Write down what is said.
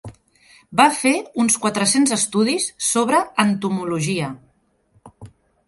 Va fer uns quatre-cents estudis sobre entomologia.